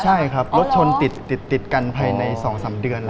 ใช่ครับรถชนติดกันภายใน๒๓เดือน